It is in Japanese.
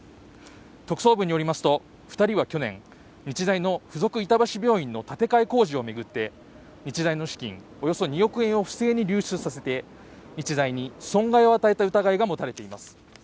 特捜部によりますと二人は去年日大の附属板橋病院の建て替え工事をめぐって日大資金およそ２億円を不正に流出させて日大に損害を与えた疑いが持たれています